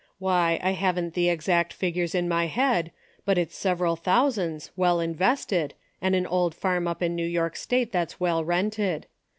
Why, I haven't the exact figures in my head, but it's several thousands, well invested, and an old farm up in Hew York state that's well rented.